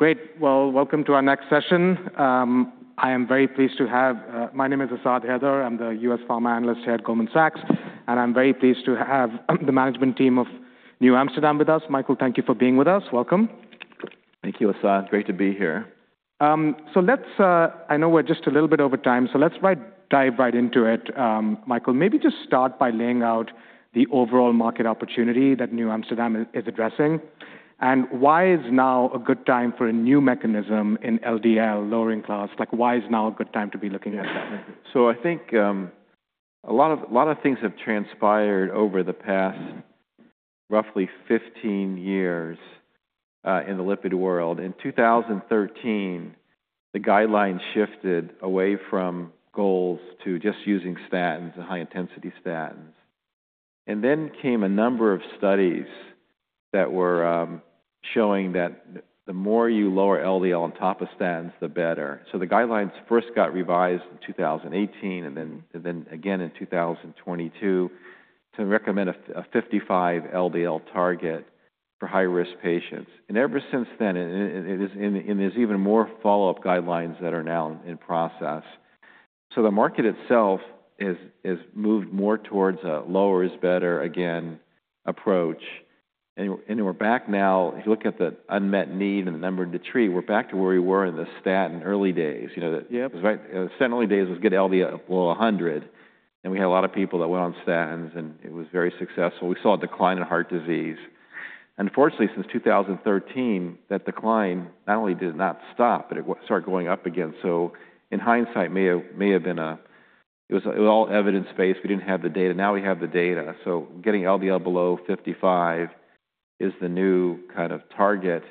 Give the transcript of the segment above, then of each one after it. Okay. Great. Welcome to our next session. I am very pleased to have, my name is Asad Haider. I'm the U.S. Pharma Analyst here at Goldman Sachs, and I'm very pleased to have the management team of NewAmsterdam with us. Michael, thank you for being with us. Welcome. Thank you, Asad. Great to be here. Let's, I know we're just a little bit over time, so let's dive right into it. Michael, maybe just start by laying out the overall market opportunity that NewAmsterdam is addressing, and why is now a good time for a new mechanism in LDL lowering class? Like, why is now a good time to be looking at that? I think a lot of things have transpired over the past roughly 15 years in the lipid world. In 2013, the guidelines shifted away from goals to just using statins, high-intensity statins. Then came a number of studies that were showing that the more you lower LDL on top of statins, the better. The guidelines first got revised in 2018, and then again in 2022 to recommend a 55 LDL target for high-risk patients. Ever since then, and there are even more follow-up guidelines that are now in process. The market itself has moved more towards a lower is better again approach. We are back now, if you look at the unmet need and the number to treat, we are back to where we were in the statin early days. You know, the statin early days was good LDL below 100, and we had a lot of people that went on statins, and it was very successful. We saw a decline in heart disease. Unfortunately, since 2013, that decline not only did not stop, but it started going up again. In hindsight, may have, may have been a, it was, it was all evidence-based. We did not have the data. Now we have the data. Getting LDL below 55 is the new kind of target.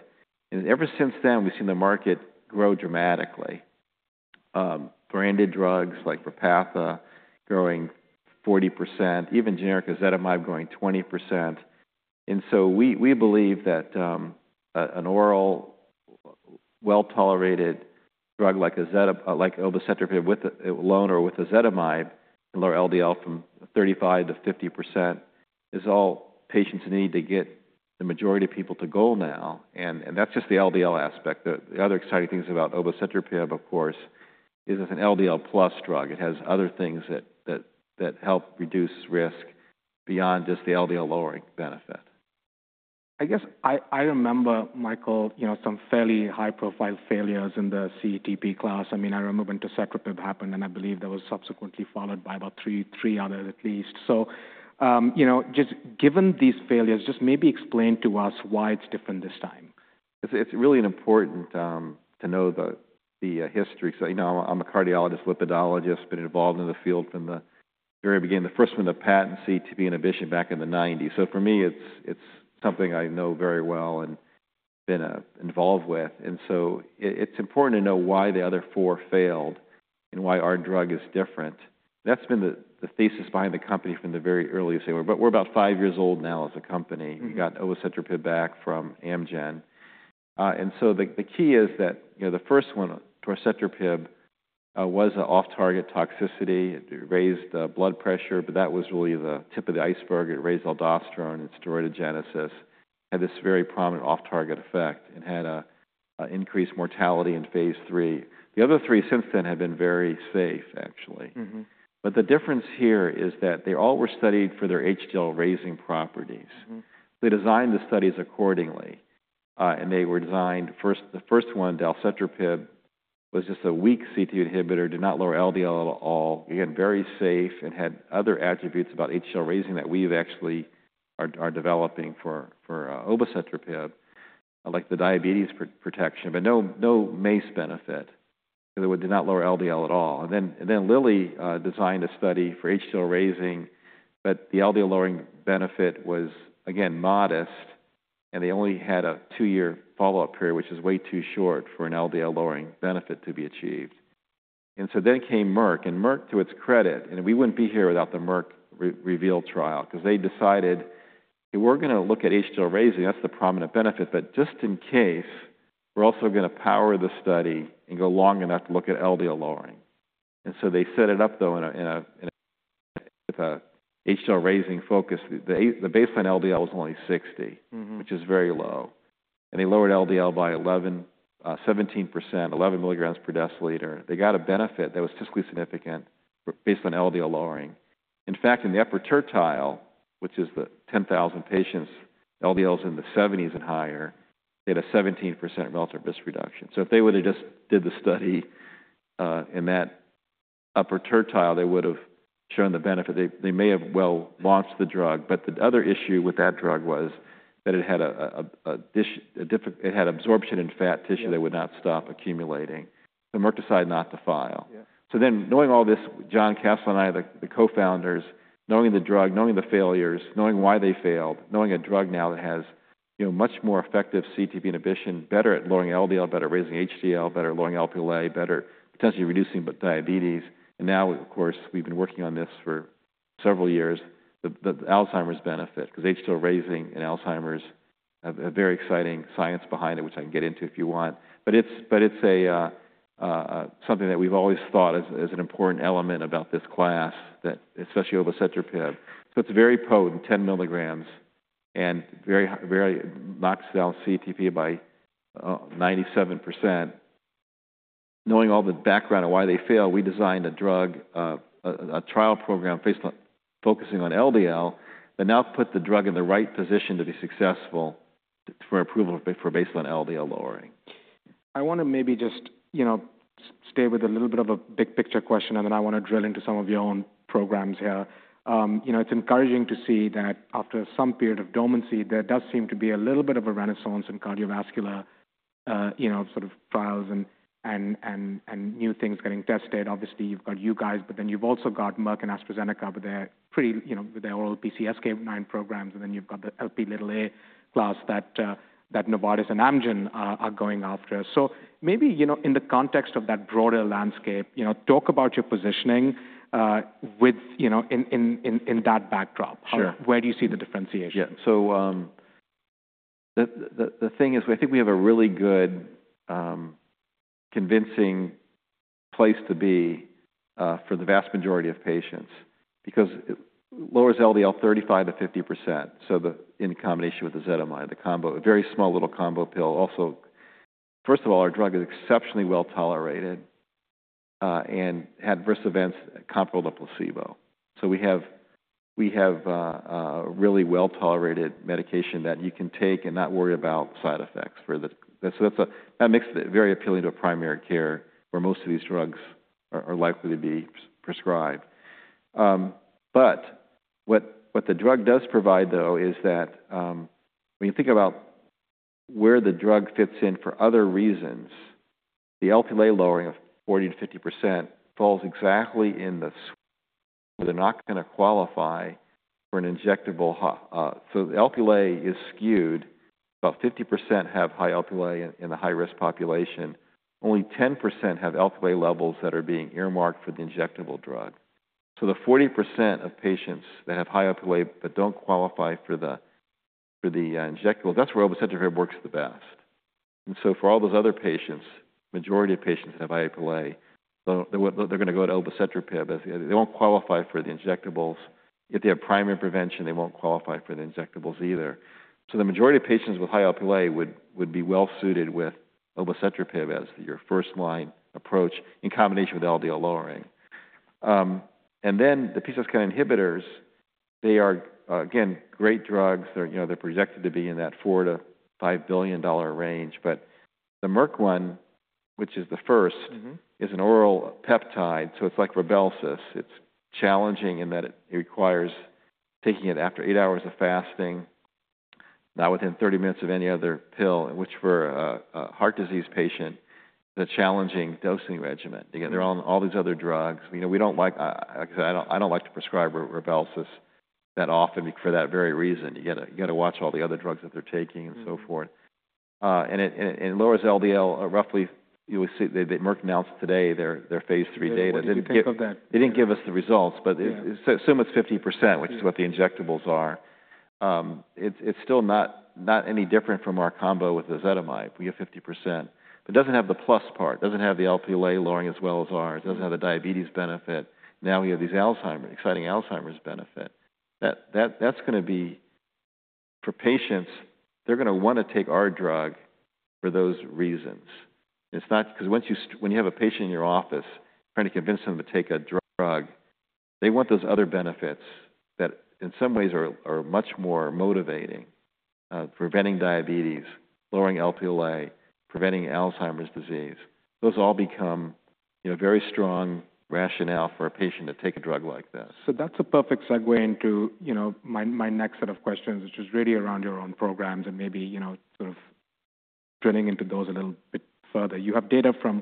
Ever since then, we have seen the market grow dramatically. Branded drugs like Repatha growing 40%, even generic ezetimibe growing 20%. We believe that an oral well-tolerated drug like ezetimibe, like obicetrapib alone or with ezetimibe, lower LDL from 35%-50% is all patients need to get the majority of people to goal now. That's just the LDL aspect. The other exciting things about obicetrapib, of course, is it's an LDL plus drug. It has other things that help reduce risk beyond just the LDL lowering benefit. I guess I remember, Michael, you know, some fairly high-profile failures in the CETP class. I mean, I remember when torcetrapib happened, and I believe that was subsequently followed by about three others at least. You know, just given these failures, just maybe explain to us why it's different this time. It's really important to know the history. You know, I'm a cardiologist, lipidologist, been involved in the field from the very beginning, the first one to patent CETP inhibition back in the nineties. For me, it's something I know very well and been involved with. It's important to know why the other four failed and why our drug is different. That's been the thesis behind the company from the very earliest day. We're about five years old now as a company. We got obicetrapib back from Amgen. The key is that, you know, the first one, torcetrapib, was an off-target toxicity. It raised the blood pressure, but that was really the tip of the iceberg. It raised aldosterone and steroidogenesis, had this very prominent off-target effect and had a, increased mortality in phase III. The other three since then have been very safe, actually. Mm-hmm. The difference here is that they all were studied for their HDL raising properties. They designed the studies accordingly. They were designed, first, the first one, dalcetrapib, was just a weak CETP inhibitor, did not lower LDL at all, again, very safe and had other attributes about HDL raising that we've actually are developing for obicetrapib, like the diabetes protection, but no MACE benefit. They did not lower LDL at all. Then Lilly designed a study for HDL raising, but the LDL lowering benefit was, again, modest, and they only had a two-year follow-up period, which is way too short for an LDL lowering benefit to be achieved. Then came Merck, and Merck, to its credit, and we wouldn't be here without the Merck REVEAL trial because they decided if we're gonna look at HDL raising, that's the prominent benefit, but just in case, we're also gonna power the study and go long enough to look at LDL lowering. They set it up though with an HDL raising focus. The baseline LDL was only 60, which is very low. They lowered LDL by 11, 17%, 11 mg per deciliter. They got a benefit that was statistically significant based on LDL lowering. In fact, in the upper tertile, which is the 10,000 patients, LDLs in the seventies and higher, they had a 17% relative risk reduction. If they would've just did the study in that upper tertile, they would've shown the benefit. They may have well launched the drug, but the other issue with that drug was that it had a diff, it had absorption in fat tissue that would not stop accumulating. Merck decided not to file. Yeah. Knowing all this, John Kastelein and I, the co-founders, knowing the drug, knowing the failures, knowing why they failed, knowing a drug now that has, you know, much more effective CETP inhibition, better at lowering LDL, better raising HDL, better lowering LDL, better potentially reducing diabetes. Now, of course, we've been working on this for several years, the Alzheimer's benefit, 'cause HDL raising in Alzheimer's have a very exciting science behind it, which I can get into if you want. It's something that we've always thought as an important element about this class, that especially obicetrapib. It's very potent, 10 mg, and very, very knocks down CETP by 97%. Knowing all the background of why they fail, we designed a drug, a trial program based on focusing on LDL that now put the drug in the right position to be successful for approval for baseline LDL lowering. I wanna maybe just, you know, stay with a little bit of a big picture question, and then I wanna drill into some of your own programs here. You know, it's encouraging to see that after some period of dormancy, there does seem to be a little bit of a renaissance in cardiovascular, you know, sort of trials and new things getting tested. Obviously, you've got you guys, but then you've also got Merck and AstraZeneca with their pretty, you know, with their oral PCSK9 programs, and then you've got the Lp(a) class that Novartis and Amgen are going after. Maybe, you know, in the context of that broader landscape, you know, talk about your positioning, with, you know, in that backdrop. Sure. How, where do you see the differentiation? Yeah. The thing is, I think we have a really good, convincing place to be for the vast majority of patients because it lowers LDL 35%-50%. In combination with ezetimibe, the combo, a very small little combo pill. Also, first of all, our drug is exceptionally well tolerated, and had adverse events comparable to placebo. We have really well tolerated medication that you can take and not worry about side effects. That makes it very appealing to a primary care where most of these drugs are likely to be prescribed. What the drug does provide though is that, when you think about where the drug fits in for other reasons, the LDL lowering of 40%-50% falls exactly in the, they're not gonna qualify for an injectable. The Lp(a) is skewed. About 50% have high Lp(a) in the high-risk population. Only 10% have Lp(a) levels that are being earmarked for the injectable drug. The 40% of patients that have high Lp(a) but do not qualify for the injectable, that is where obicetrapib works the best. For all those other patients, the majority of patients that have high Lp(a), they are gonna go to obicetrapib. They will not qualify for the injectables. If they have primary prevention, they will not qualify for the injectables either. The majority of patients with high Lp(a) would be well suited with obicetrapib as your first line approach in combination with LDL lowering. The PCSK9 inhibitors, they are, again, great drugs. They are, you know, they are projected to be in that $4 billion-$5 billion range. The Merck one, which is the first, is an oral peptide. So it's like RYBELSUS. It's challenging in that it requires taking it after eight hours of fasting, not within 30 minutes of any other pill, which for a heart disease patient, the challenging dosing regimen. They're on all these other drugs. You know, we don't like, like I said, I don't, I don't like to prescribe RYBELSUS that often for that very reason. You gotta watch all the other drugs that they're taking and so forth. It lowers LDL roughly, you would see they, Merck announced today their phase III data. They didn't give us that. They did not give us the results, but it assumes 50%, which is what the injectables are. It is still not any different from our combo with ezetimibe. We have 50%. It does not have the plus part. It does not have the Lp(a) lowering as well as ours. It does not have the diabetes benefit. Now we have these Alzheimer's, exciting Alzheimer's benefit that is going to be for patients, they are going to want to take our drug for those reasons. It is not because once you, when you have a patient in your office trying to convince them to take a drug, they want those other benefits that in some ways are much more motivating, preventing diabetes, lowering Lp(a), preventing Alzheimer's disease. Those all become, you know, very strong rationale for a patient to take a drug like this. That's a perfect segue into, you know, my next set of questions, which is really around your own programs and maybe, you know, sort of drilling into those a little bit further. You have data from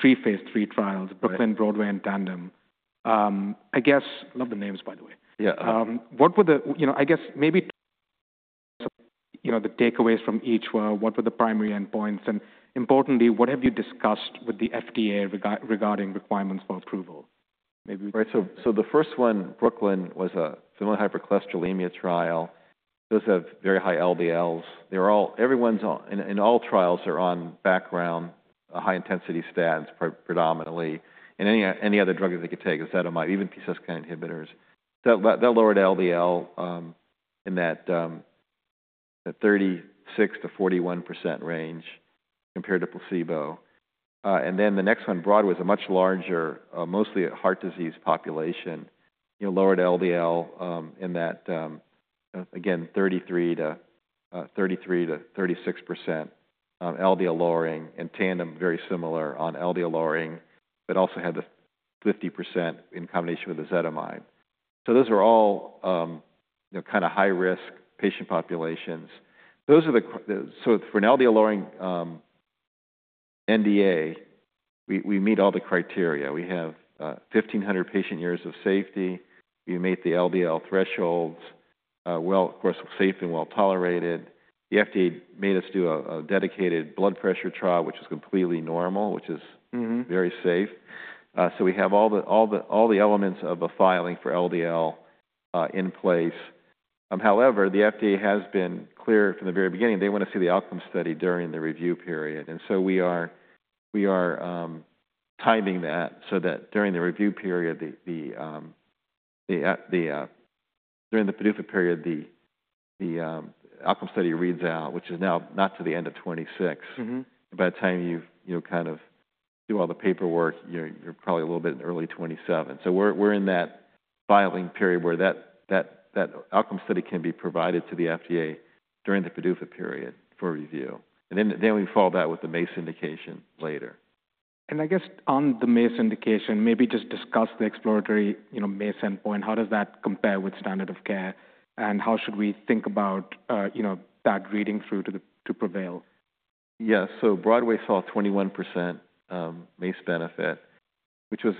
three phase III trials, BROOKLYN, BROADWAY, and TANDEM. I guess, love the names, by the way. Yeah. What were the, you know, I guess maybe, you know, the takeaways from each? What were the primary endpoints? And importantly, what have you discussed with the FDA regarding requirements for approval? Maybe. Right. The first one, BROOKLYN, was a similar hypercholesterolemia trial. Those have very high LDLs. Everyone in all trials is on background high-intensity statins predominantly, and any other drug that they could take, that might even be PCSK9 inhibitors. That lowered LDL in that 36%-41% range compared to placebo. The next one, BROADWAY, is a much larger, mostly heart disease population, lowered LDL in that, again, 33-36% LDL lowering, and TANDEM, very similar on LDL lowering, but also had the 50% in combination with ezetimibe. Those are all kind of high-risk patient populations. For an LDL lowering NDA, we meet all the criteria. We have 1,500 patient years of safety. We meet the LDL thresholds, of course, safe and well tolerated. The FDA made us do a dedicated blood pressure trial, which is completely normal, which is very safe. We have all the elements of a filing for LDL in place. However, the FDA has been clear from the very beginning, they want to see the outcome study during the review period. We are timing that so that during the review period, the outcome study reads out, which is now not to the end of 2026. Mm-hmm. By the time you've, you know, kind of do all the paperwork, you're probably a little bit in early 2027. We're in that filing period where that outcome study can be provided to the FDA during the period for review. Then we fall back with the MACE indication later. I guess on the MACE indication, maybe just discuss the exploratory, you know, MACE endpoint. How does that compare with standard of care and how should we think about, you know, that reading through to the, to PREVAIL? Yeah. BROADWAY saw 21% MACE benefit, which was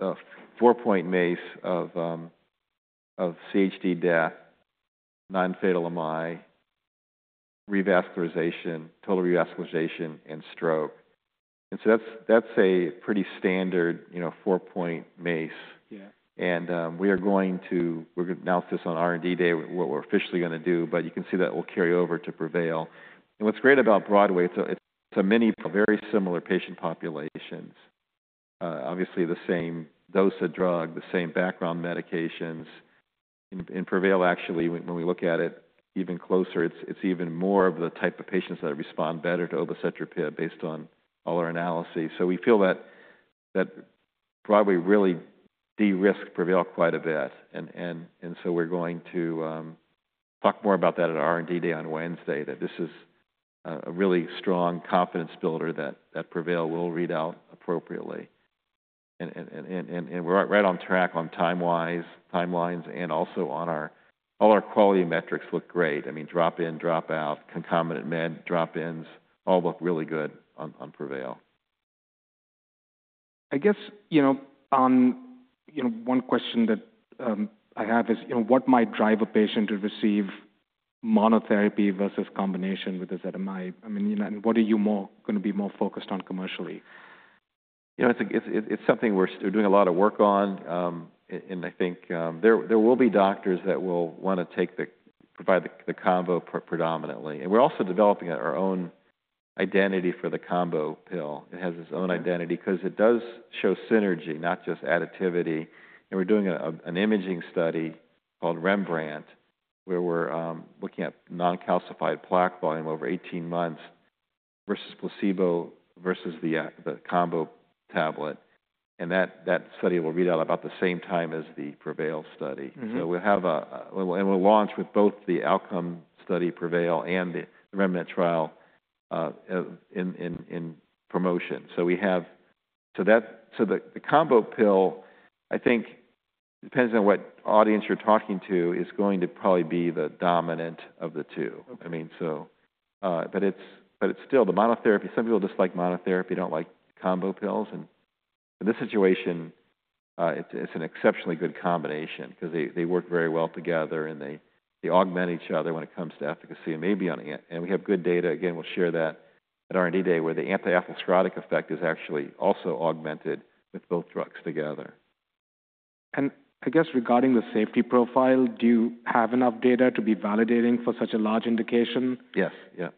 a four-point MACE of CHD death, non-fatal MI, total revascularization, and stroke. That's a pretty standard, you know, four-point MACE. Yeah. We are going to announce this on R&D day, what we're officially gonna do, but you can see that we'll carry over to PREVAIL. What's great about BROADWAY, it's a very similar patient population, obviously the same dose of drug, the same background medications in PREVAIL. Actually, when we look at it even closer, it's even more of the type of patients that respond better to obicetrapib based on all our analysis. We feel that BROADWAY really de-risked PREVAIL quite a bit. We're going to talk more about that at R&D day on Wednesday, that this is a really strong confidence builder that PREVAIL will read out appropriately. We're right on track time-wise, timelines, and also all our quality metrics look great. I mean, drop in, drop out, concomitant med drop-ins all look really good on, on PREVAIL. I guess, you know, on, you know, one question that I have is, you know, what might drive a patient to receive monotherapy versus combination with ezetimibe? I mean, you know, and what are you gonna be more focused on commercially? You know, it's something we're doing a lot of work on, and I think there will be doctors that will wanna provide the combo predominantly. We're also developing our own identity for the combo pill. It has its own identity 'cause it does show synergy, not just additivity. We're doing an imaging study calledREMBRANDT where we're looking at non-calcified plaque volume over 18 months versus placebo versus the combo tablet. That study will read out about the same time as the PREVAIL study. Mm-hmm. We'll have a, and we'll launch with both the outcome study PREVAIL and the REMBRANDT trial, in promotion. We have, so the combo pill, I think depends on what audience you're talking to, is going to probably be the dominant of the two. I mean, it's still the monotherapy. Some people just like monotherapy, don't like combo pills. In this situation, it's an exceptionally good combination 'cause they work very well together and they augment each other when it comes to efficacy. Maybe on, and we have good data again, we'll share that at R&D day where the anti-aphotic effect is actually also augmented with both drugs together. I guess regarding the safety profile, do you have enough data to be validating for such a large indication? Yes. Yeah.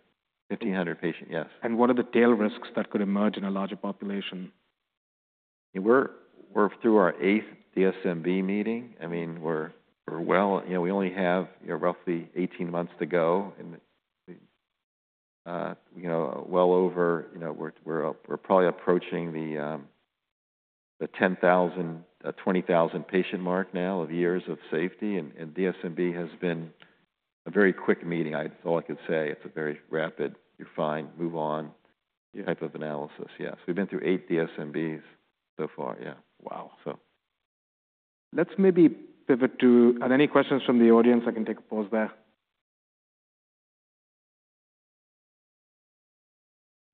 1,500 patient. Yes. What are the tail risks that could emerge in a larger population? You know, we're through our eighth DSMB meeting. I mean, we're well, you know, we only have, you know, roughly 18 months to go and it's, you know, well over, you know, we're probably approaching the 10,000-20,000 patient mark now of years of safety. And DSMB has been a very quick meeting. I thought I could say it's a very rapid, you're fine, move on type of analysis. Yes. We've been through eight DSMBs so far. Yeah. Wow. So. Let's maybe pivot to, are there any questions from the audience? I can take a pause there.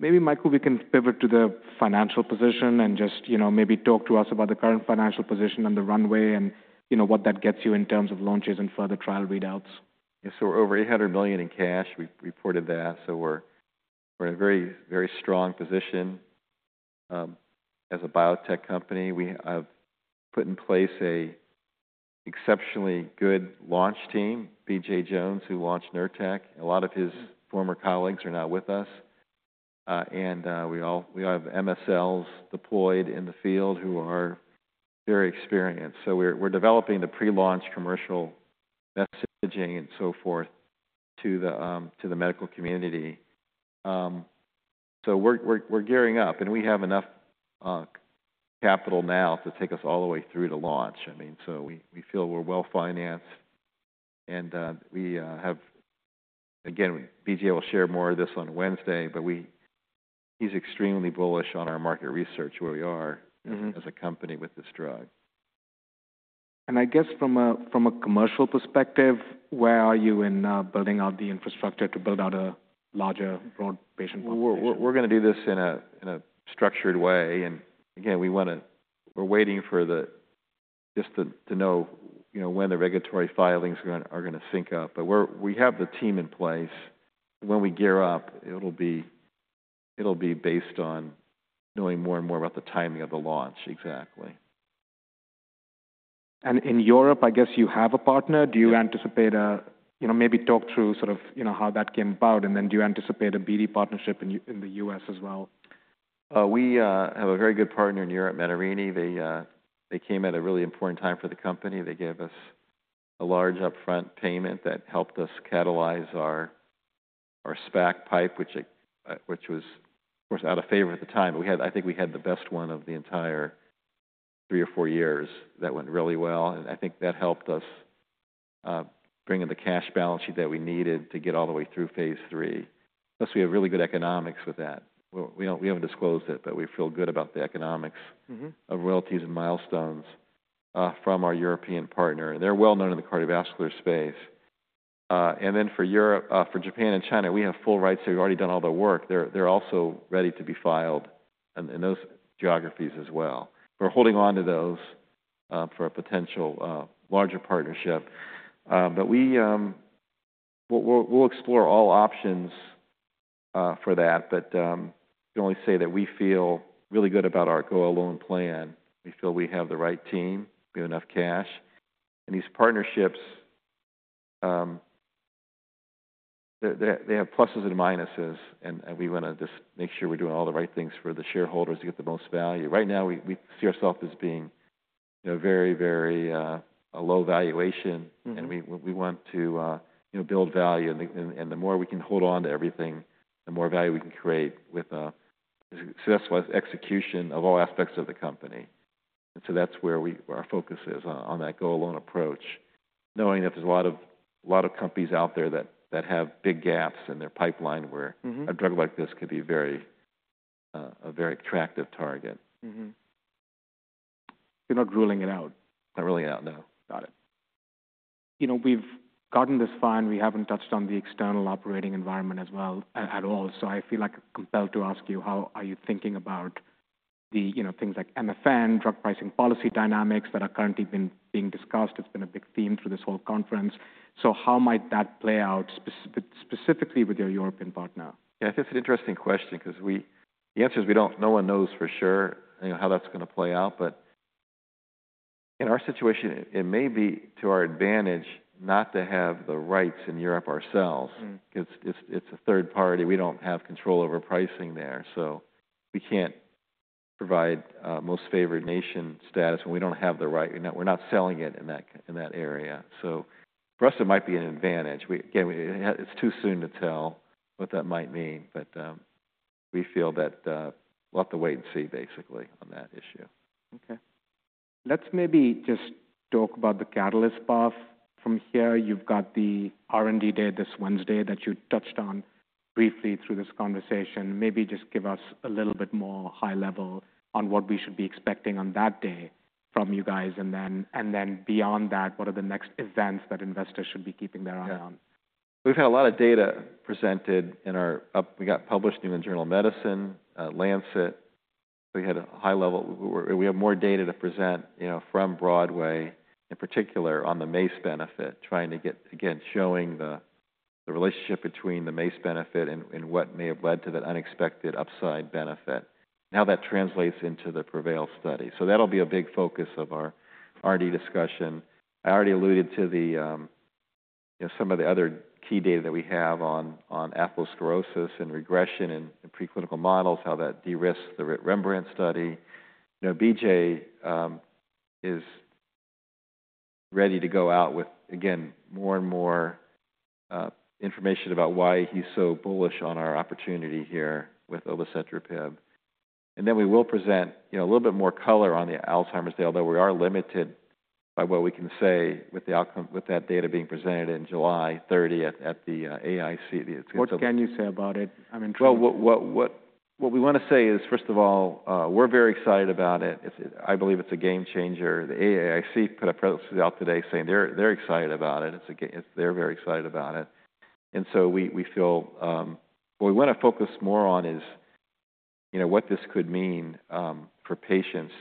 Maybe Michael, we can pivot to the financial position and just, you know, maybe talk to us about the current financial position on the runway and, you know, what that gets you in terms of launches and further trial readouts. Yeah. We're over $800 million in cash. We've reported that. We're in a very, very strong position as a biotech company. We have put in place an exceptionally good launch team, BJ Jones, who launched Nurtec. A lot of his former colleagues are now with us, and we have MSLs deployed in the field who are very experienced. We're developing the pre-launch commercial messaging and so forth to the medical community. We're gearing up and we have enough capital now to take us all the way through to launch. I mean, we feel we're well financed and, again, BJ will share more of this on Wednesday, but he's extremely bullish on our market research where we are. Mm-hmm. As a company with this drug. I guess from a, from a commercial perspective, where are you in building out the infrastructure to build out a larger broad patient population? We're gonna do this in a structured way. Again, we wanna, we're waiting for the, just to know, you know, when the regulatory filings are gonna sync up. We have the team in place. When we gear up, it'll be based on knowing more and more about the timing of the launch. Exactly. In Europe, I guess you have a partner. Do you anticipate a, you know, maybe talk through sort of, you know, how that came about? Do you anticipate a BD partnership in the U.S. as well? We have a very good partner in Europe, Menarini. They came at a really important time for the company. They gave us a large upfront payment that helped us catalyze our SPAC PIPE, which was, of course, out of favor at the time. I think we had the best one of the entire three or four years that went really well. I think that helped us bring in the cash balance sheet that we needed to get all the way through phase III. Plus we have really good economics with that. We have not disclosed it, but we feel good about the economics. Mm-hmm. Of royalties and milestones, from our European partner. They're well known in the cardiovascular space. For Europe, for Japan and China, we have full rights. They've already done all the work. They're also ready to be filed in those geographies as well. We're holding onto those for a potential larger partnership. We will explore all options for that. I can only say that we feel really good about our go alone plan. We feel we have the right team, we have enough cash. These partnerships have pluses and minuses. We want to just make sure we're doing all the right things for the shareholders to get the most value. Right now, we see ourselves as being, you know, very, very, a low valuation. Mm-hmm. We want to, you know, build value. The more we can hold on to everything, the more value we can create with successful execution of all aspects of the company. That is where our focus is, on that go alone approach, knowing that there are a lot of companies out there that have big gaps in their pipeline where. Mm-hmm. A drug like this could be a very attractive target. Mm-hmm. You're not ruling it out. Not ruling it out. No. Got it. You know, we've gotten this far and we haven't touched on the external operating environment as well at all. I feel like compelled to ask you, how are you thinking about the, you know, things like MFN drug pricing policy dynamics that are currently being discussed? It's been a big theme through this whole conference. How might that play out specifically with your European partner? Yeah. I think it's an interesting question 'cause we, the answer is we don't, no one knows for sure, you know, how that's gonna play out. In our situation, it may be to our advantage not to have the rights in Europe ourselves. Mm-hmm. 'Cause it's, it's a third party. We don't have control over pricing there. We can't provide most favored nation status when we don't have the right. We're not, we're not selling it in that, in that area. For us, it might be an advantage. Again, it's too soon to tell what that might mean. We feel that we'll have to wait and see basically on that issue. Okay. Let's maybe just talk about the catalyst path from here. You've got the R&D day this Wednesday that you touched on briefly through this conversation. Maybe just give us a little bit more high level on what we should be expecting on that day from you guys. Then beyond that, what are the next events that investors should be keeping their eye on? Yeah. We've had a lot of data presented in our, we got published New England Journal of Medicine, Lancet. We had a high level, we have more data to present, you know, from BROADWAY in particular on the MACE benefit, trying to get, again, showing the relationship between the MACE benefit and what may have led to that unexpected upside benefit and how that translates into the PREVAIL study. That will be a big focus of our R&D discussion. I already alluded to the, you know, some of the other key data that we have on atherosclerosis and regression and preclinical models, how that de-risked the REMBRANDT study. You know, BJ is ready to go out with, again, more and more information about why he's so bullish on our opportunity here with obicetrapib. Then we will present, you know, a little bit more color on the Alzheimer's day, although we are limited by what we can say with the outcome, with that data being presented in July 30th at the AAIC. What can you say about it? I'm intrigued. What we wanna say is, first of all, we're very excited about it. I believe it's a game changer. The AAIC put a presence out today saying they're excited about it. It's a game changer, they're very excited about it. We feel what we wanna focus more on is, you know, what this could mean for patients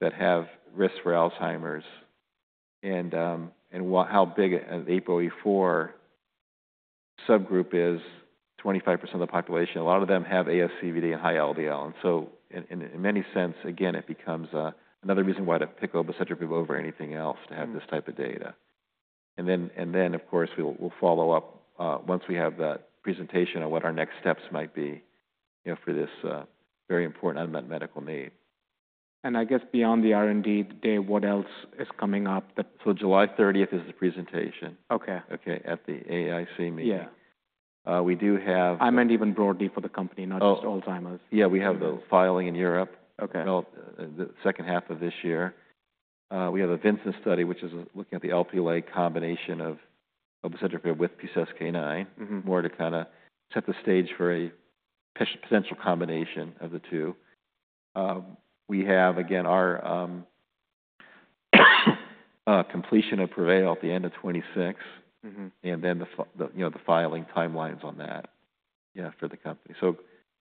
that have risks for Alzheimer's and what, how big an APOE4 subgroup is, 25% of the population. A lot of them have ASCVD and high LDL. In many sense, again, it becomes another reason why to pick obicetrapib over anything else to have this type of data. Then of course we'll follow up, once we have that presentation on what our next steps might be, you know, for this very important unmet medical need. I guess beyond the R&D day, what else is coming up that? July 30th is the presentation. Okay. Okay. At the AAIC meeting. Yeah. We do have. I meant even broadly for the company, not just Alzheimer's. Oh, yeah. We have the filing in Europe. Okay. The second half of this year, we have a Vincent study, which is looking at the Lp(a) combination of obicetrapib with PCSK9. Mm-hmm. More to kind of set the stage for a potential combination of the two. We have again our completion of PREVAIL at the end of 2026. Mm-hmm. The filing timelines on that, you know, for the company. A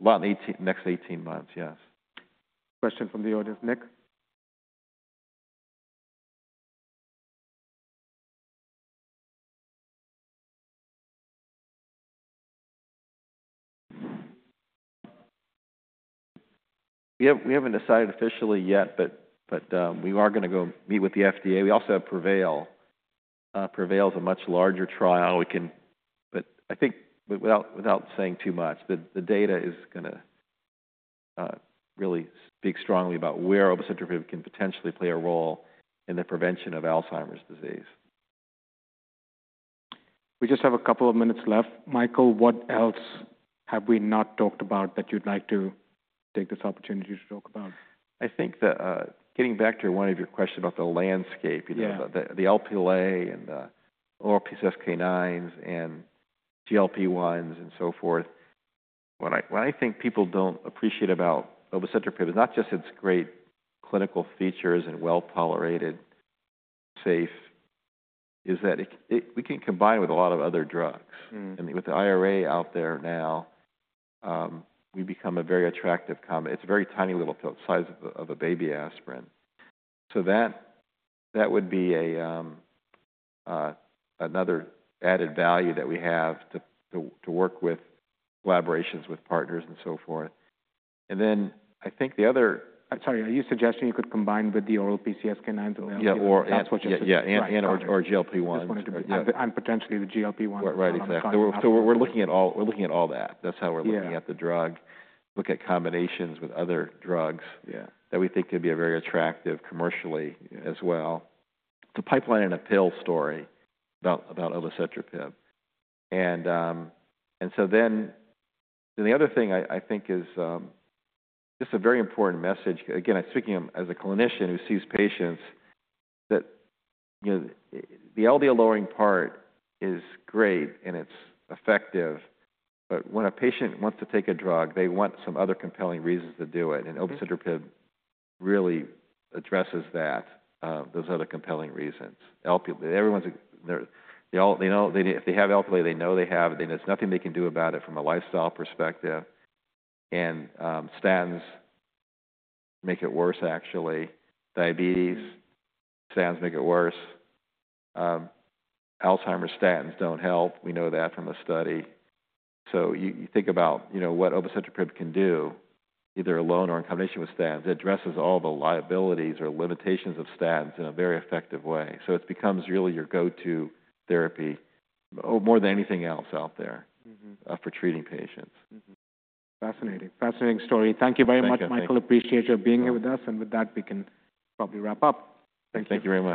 lot in the next 18 months. Yes. Question from the audience, Nick. We haven't decided officially yet, but we are gonna go meet with the FDA. We also have PREVAIL. PREVAIL's a much larger trial. I think, without saying too much, the data is gonna really speak strongly about where obicetrapib can potentially play a role in the prevention of Alzheimer's disease. We just have a couple of minutes left. Michael, what else have we not talked about that you'd like to take this opportunity to talk about? I think, getting back to one of your questions about the landscape, you know, the Lp(a) and the oral PCSK9s and GLP-1s and so forth. What I, what I think people don't appreciate about obicetrapib is not just its great clinical features and well tolerated, safe, is that it, it, we can combine with a lot of other drugs. Mm-hmm. With the IRA out there now, we become a very attractive com. It's a very tiny little size of a, of a baby aspirin. That would be another added value that we have to work with collaborations with partners and so forth. I think the other, I'm sorry, are you suggesting you could combine with the oral PCSK9? Yeah. Or, and that's what you're suggesting. Yeah. Or, or GLP-1. Potentially the GLP-1. Right. Exactly. We're looking at all that. That's how we're looking at the drug. Look at combinations with other drugs. Yeah. That we think could be very attractive commercially as well. The pipeline and appeal story about, about obicetrapib. And, and so then, the other thing I think is just a very important message. Again, I'm speaking as a clinician who sees patients that, you know, the LDL lowering part is great and it's effective. But when a patient wants to take a drug, they want some other compelling reasons to do it. And obicetrapib really addresses that, those other compelling reasons. Lp(a), everyone's, they all, they know they, if they have Lp(a), they know they have, then there's nothing they can do about it from a lifestyle perspective. And statins make it worse, actually. Diabetes, statins make it worse. Alzheimer's, statins don't help. We know that from a study. You think about, you know, what obicetrapib can do, either alone or in combination with statins, it addresses all the liabilities or limitations of statins in a very effective way. It becomes really your go-to therapy, more than anything else out there. Mm-hmm. for treating patients. Mm-hmm. Fascinating. Fascinating story. Thank you very much, Michael. Appreciate your being here with us. With that, we can probably wrap up. Thank you. Thank you very much.